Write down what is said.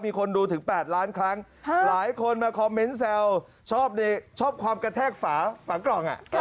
มีคนดูถึง๘ล้านครั้งหลายคนมาคอมเมนต์แซวชอบความกระแทกฝาฝากล่อง